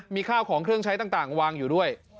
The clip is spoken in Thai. มีข้าวของเครื่องใช้ต่างวางอยู่ด้วย